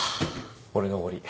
俺のおごり。